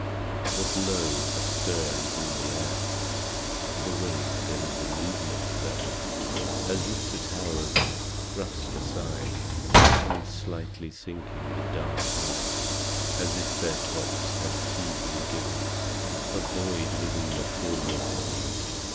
But lo, a stir is in the air! The wave there is a movement there! As if the towers had thrust aside, In slightly sinking, the dull tide As if their tops had feebly given A void within the filmy Heaven.